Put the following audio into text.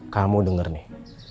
kamu denger nih